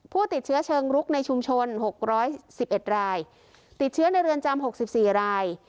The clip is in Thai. ผู้ติดเชื้อเชิงลุกในชุมชนหกร้อยสิบเอ็ดรายติดเชื้อในเรือนจำหกสิบสี่ราย